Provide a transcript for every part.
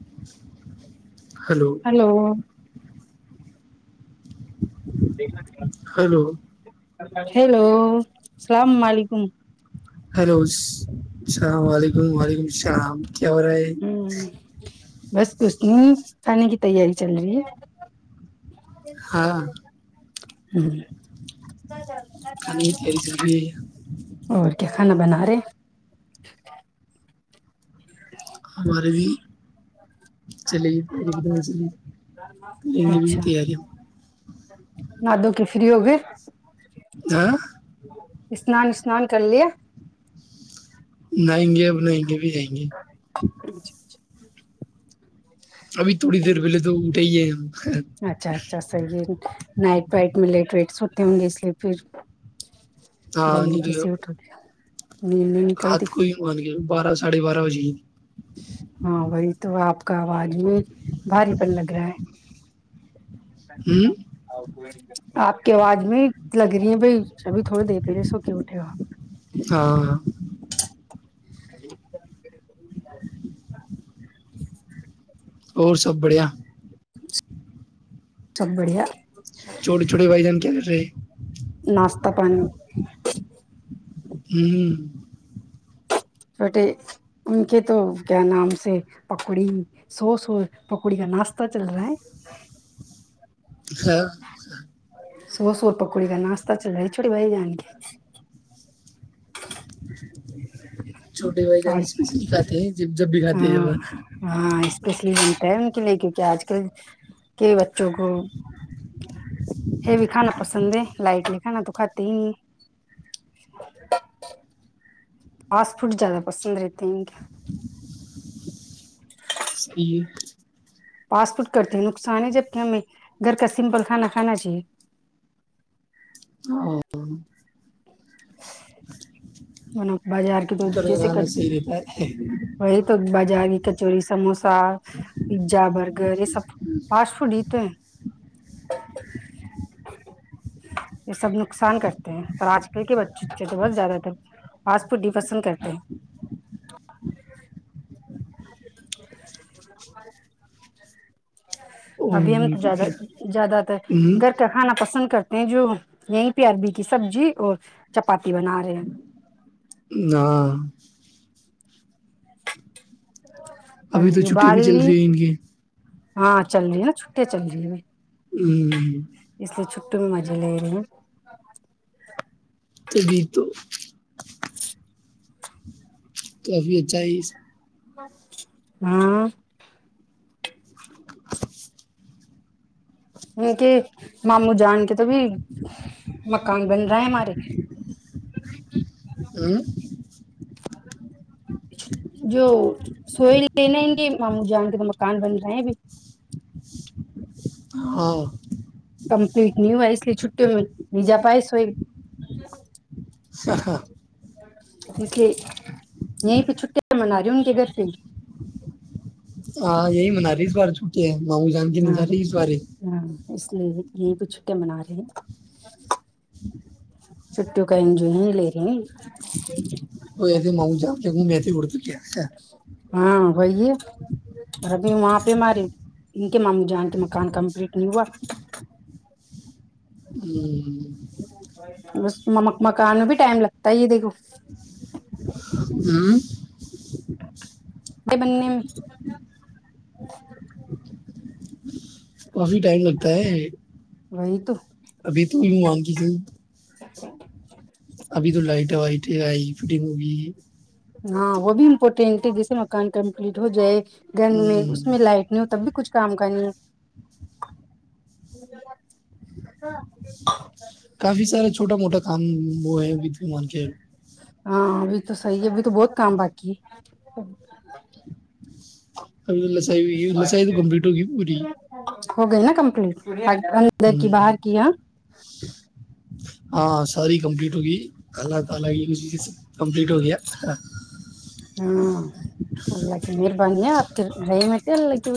[inaudible] Hello ٹھ [unintelligible] hello hello سلام علیکم ہلو السلام و علیکم وعلیکم السلام کیا ہو رہا ہے ہ بس کوس نہیں کھانے کی تیاری چل رہی ہے ہاں ب کھانے کی تیاری چل رہی [unintelligible] ہے ہوں اور کیا کھانا بنا ج [unintelligible] ہمارے بھی چلیے لے بھی بھی تیاری ناد کے فری ہوگ ہاں اس اسنان اسنان کر ل نہائیں گے اب نہیںائیں گے بھی جائیں گے اچھا اچھا [unintelligible] ابھی تھوڑی دیر پہل تو اٹھے ہی ہے ہم اچھا اچھا سحی ہے نائٹ وائٹ میں لیٹ ویٹس ہوتے ہوں گے اس لیے پھر جلدی کسیے اٹو گے ہات کو ہی مان کے بارہ ساڑھے بارہ بجے ہی [inaudible] ہاں وہی تو آپ کا آواز بھی بھاری پن لگ رہا ہے ہوں جا آ [unintelligible] آپ کی آواز میں لگ رہی ہیں بھائی سبھی تھوڑے دیکھے رہے سو کے اٹھے ہوپ ہاں ہاں [inaudible] اور سب بڑھیا سب بڑھیا چھوے چھوٹے بھائی جان کیا کر رہ ہیں ناستہ پانی ہوں چھوٹے ان کے تو کیا نام سے پکوڑی سو سو پکوڑی کا ناشہ چل رہا ہے ہاں سو سور پکوڑی کا ناشتا چل رہ ہے چھوٹی بائی جان کے [inaudible] چھوٹے بھائی جان اور اسپیشلی کھاتے ہیں جب بھی کھاتے ہاں ہیں لے کیونک آج کل کے بچوں کو یہ بھی کانا پسند ے لائٹ لکھانا تو کھے ہی نہیں فاسٹ فوڈ زیادہ پسند رہتے ہیں ان کیا اس جی فاسٹ فوڈ کرتے ہیں نقصان ہے جب کہ ہمیں گھر کا سمپل کھانا کھانا چاہیے [inaudible] [inaudible] بازار کی تو جیسے روزانہ صحیح رہتا ہے وہی تو بازار کی چوری سموسا پیزا برگر یہ سب فاسٹ فوڈ ہی تو ہے یہ سب نقصان کرتے ہیں پر آج کل کے بچوںے تو بت زیادہ تر آس پ ڈی پسند کرتے ہیں [inaudible] اور ابھی ہم نہیں تو زیادہ کیا زیادہ ت ہوں گھر کا کھانا پسند کرتے جو یہیں پہ عربی کی سبزی اور چپاتی بنا رہے ہیں ہاں ابھی تو عربی چھٹٹی بھی ابال چل لی رہی ہیں ان کی ہاں چل رہی نا چھٹے چل رہی ہیں ہوں مزے لے ل تبھی تو کافی اچھا ہے ہاں ان کے ماموں جان کے تو بھی مکان بن رہا ہے ہمارے [inaudible] جو سوئے لینےیں گے ماموں جان کے تو مکان بن رہے ہیں بھی ہاں کمپلیٹ نہیں ہوا اس لیے چھٹیوں میں ن جا پائے سوئی سھ اس لیے یہیں پہ چھٹییا من رہی ان کے گھر سے ہاں یہی منالی اس بار چھوٹی ہے ما وہو جان کے نہیں ہاں جا رہی اس بارے ہاں اس لیے یہ بھی چھٹی منا رہے ہیں چھٹیوں کا جو یہ لے رہے ہیں وہ یہ تھے م جا میںے اڑتی کیاا ہاں وہی ہے اور ابھی وہاں پہ ہمارے ان کے م جان کے مکان کمپلیٹ نہیں ہوا مکان میں بھی ٹائم لگتا ہی دیکھو ج بنے کافی ٹائم لگتا ہے وہی تو ابھی تو بھی مانتی ہوں ابھی تو لائٹ ٹ آئی پڑ مگی [unintelligible] ہاں وہ بھی امپورٹینٹ ہے جیسے مکان کمپلیٹ ہو جائے [unintelligible] دن میں ہوں اس میں لائٹ نہیں ہوتا کچھ کام کرنی ہے کافی سارا چھوٹا موٹا کام وہ ہےد ومان کے ہاں بھی تو سی ہے بھی تو بہت کام باقی ہے س س کمپٹگ [unintelligible] ہو گئی نا کمپلیٹ اندر کی باہر کی یہاں ہاں ساری کمپلیٹ ہوگئی کالا تالا کمپلیٹ ہو گیا ہاں اللہ چ م [unintelligible] بنیاں آپ رہے مٹے ال ل کی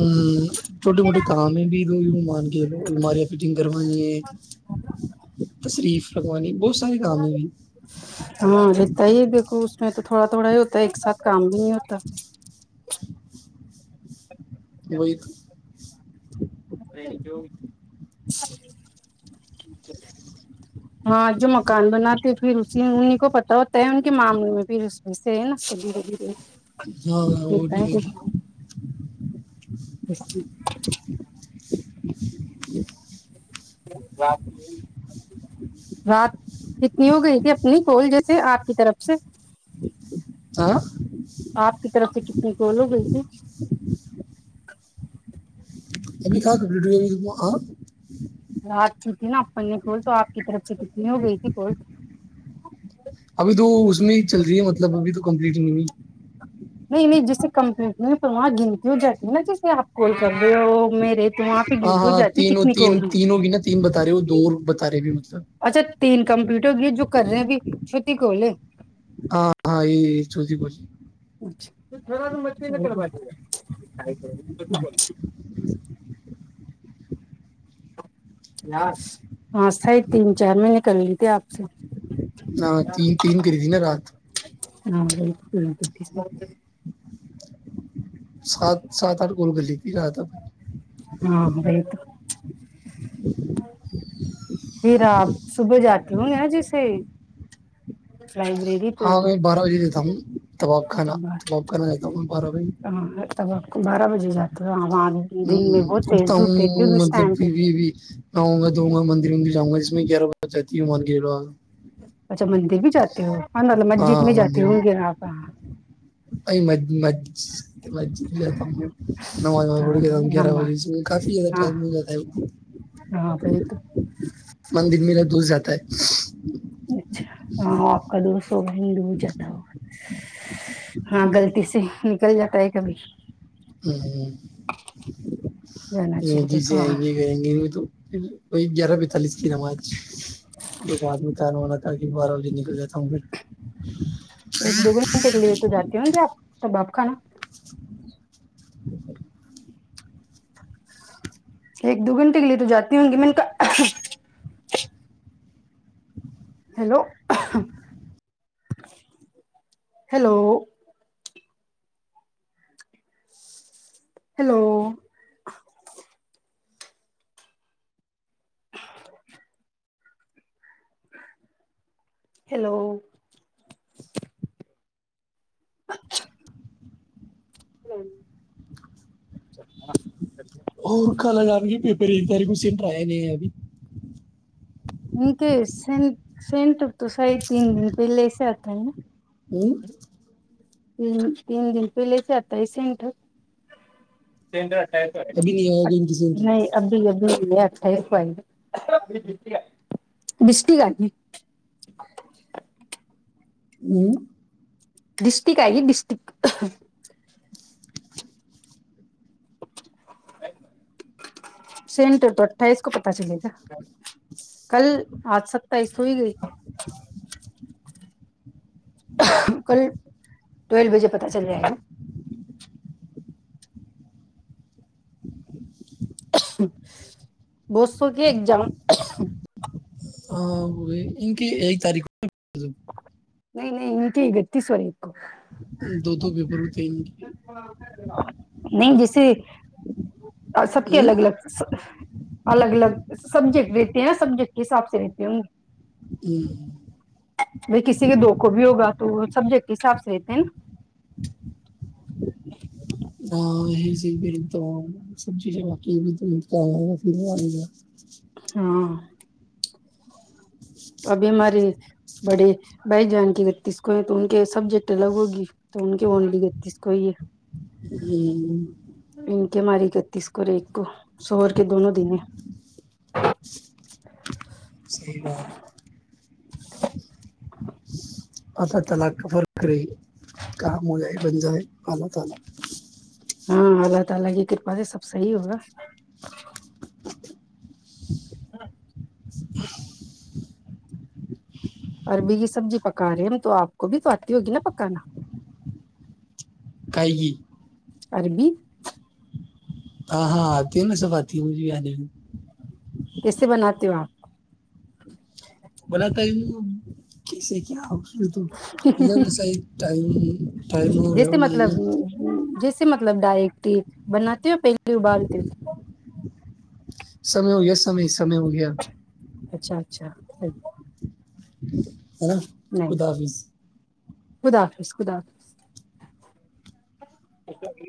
ہ چھوٹے موٹے کام ہے بھی ل مان کے ل الماریاں فٹنگ کروانی ہے تشریف فگوانی بت ہاں رہتا ہی دیکھو اس میں تو تھوڑا تھوڑا ہی ہوتا ہے ایک ساتھ کام بھی نہیں ہوتا وہت [unintelligible] ہاں [unintelligible] ہاں جو مکان بناتے ہو پھر اس انہیں کو پتا ہوتا ہے ان کے معاملے میں پھر اس و سے ہے نا ہاں ہاں وہ دیکھتا بھی ل [unintelligible] اچ [unintelligible] [inaudible] رات کتنی ہو گئی تھی اپنی کوول جیسے آپ کی طرف سے آ [unintelligible] آپ کے [unintelligible] طرف سے کتنی کول ہو گئی تھی ابھی خ ویڈو رات کی تھی نا اپننے کول تو آپ کی طرف سے کتنی ہو گئی تھی کول ابھی تو اس میں ہی چل رہی ہے مطلب ابھی تو کمپلیٹ نہیں ہوئی نہیں نہیں جسے کمپ پر وہاں گنتی ہو جاتی ہے نا جیسے آپ کال کر رہے ہو میرے تو وہاں پہ ہاں گنتی ہو ہاں جاتی ہے تینوں کتنی تین کال ہوئی تینوں بھی نا تین بتا رہے ہو دو بتا رہے بھی مطلب ہو گی جو کر رہے ہیں بھی چھوٹی کوول ہاں ہاں یہ چوتھی بولی چ تھر مچ نک [unintelligible] ہاں س تین چار مہینے کر لی ت آپ سے ہ تین تین کر تھی نا رات [unintelligible] ہاں بالکل [unintelligible] سات سات آٹھ گول گلی پ رہ آ تھا بھ [unintelligible] ہاں گگئیت پھر آپ صبح جاتی ہو جیسے لائبریری ہاں تو میں بارہ بجے دیتا ہوں تباب خانا تباب کانا جا ہوں بارہ بجے ہاںتب بارہ بجے جات ہ اٹتا ہوں ہوگی اس مطلب ٹائم پہ پھر تو بھیب آؤں گا دؤں گا مندر مندر جاؤں گا اس میں کیا رو چاہتی ہ مانو [unintelligible] اچھا مندر بھی جاتے ہو ہاں مطلب مسجد میں جاتی ہوں گے آاںپ سجد جاتا ہوںڑتا ہ گیارہ نماز بجے سے کافی زدہ ہاں ٹم مل جاتا ہے ہاں وہی تو مندر م دور جات ہے اچھا [unintelligible] [inaudible] ہاں آپ کا دوست ہوگ ہندب جاتا ہو ہاں غلط سے نکل جاتا ہے کبھی ہ ہ [inaudible] جانا م چاہیے جی سے دیکھو آئیں ہاں گے کریں گے وہ تو پھر وہی گیارہ پینتالیس کی نمات اس کے بعد میں تان ہونا تھا کہ بارہ بجے نکل جاتا ہوں پھر ہ [inaudible] ایک دو گ گھنٹے کے لیے تو جاتی ہ ن ج آپ تو بپ خانا ایک دو گھنٹے کے لیے تو جاتی ہوں گی میں نے کا ہیلو ہیلو ہیلو [unintelligible] [inaudible] ہیلو [unintelligible] چ [unintelligible] [inaudible] اور ک لگان گی پی پ ان تاری کٹریا نہیں ہے ابھی ان کے سینٹ سینٹ تو ساھے تین دن پہلے ایسے آتا ہے نا ہوں [unintelligible] تین دن پہل سے آتا ہے سینٹک ابھی نہیں آیا کہ ان کی سینٹر نہیں ابھی ابھی بھی ل ف بس گ [unintelligible] یہ [inaudible] ڈسٹک آئ گ ڈسٹک [unintelligible] سینٹر تو اٹھائیس کو پتاہ چلے گا کل آج سک [inaudible] پائی سو ہی گئی کل ٹویل بجے پت چل رہا ہے بسو کی ایک جام ہاں وہ ان کی ایک تاریخ م [inaudible] نہیں نہیں ان کی گتیسور ایک کو دو دو پیبرتی نہیں جس [unintelligible] جھ [inaudible] سب کے ہوں؟ الگ الگ الگ الگ سبجیکٹ رہتے ہیں سبجیکٹ کے حساب سے رہتی ہ ہوں۔ ب کسی کے دو کو بھی ہوگا تو سبجیکٹ کے حساب سے ہوتے ہیں نا تو [unintelligible] ہاں یہ تو سب چیزیں باقی ہاں ابھی ہمارے بڑے بھائی جان کے بتیس کو ہیں تو ان کے سبجیکٹ الگ ہوگی تو ان کے اونلی بتیس کو ہی ہے ہوں انک ماری اکتیس کو اور ایک کو سوہر کے دونوں دن صحیح بات [inaudible] آلہ تلا کا فرک رہے کا م ہے بند ہے ملہ تال ہاں اللہ تعالی کی کرپا سے سب صحیح ہوگا ہچ [unintelligible] اوررب یہ سبزی پکا رہے ہم تو آپ کو بھی تو آتی ہوگی نا پکانا کائیگی عربی [unintelligible] ہاں ہاں آتی ہے ن سب آتی ہ مجھے بھی آ جی کیسے بناتے ہو آپ بولا ت کیسے کیا ہوگا یہ ص م ٹم جیسے ہو نہیں ن مطلب جیسے مطلب ڈائریکٹی بناتی ہو پہلے ابالتی ہ سمے ہو گیا سمئے سمے ہو گیا اچھا اچھاٹ ہے نا خدا حافظ خدا حافظ خدا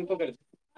حافظ